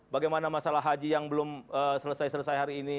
bagaimana masalah haji yang belum selesai selesai hari ini